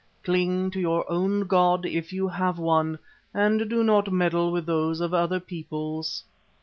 Cling to your own god if you have one, and do not meddle with those of other peoples.